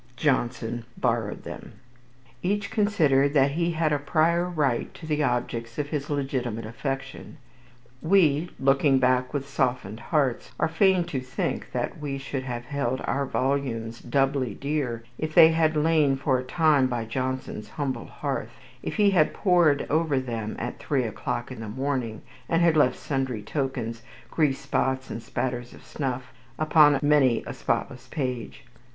Johnson borrowed them. Each considered that he had a prior right to the objects of his legitimate affection. We, looking back with softened hearts, are fain to think that we should have held our volumes doubly dear if they had lain for a time by Johnson's humble hearth, if he had pored over them at three o'clock in the morning, and had left sundry tokens grease spots and spatterings of snuff upon many a spotless page.